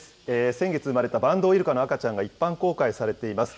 先月産まれたバンドウイルカの赤ちゃんが一般公開されています。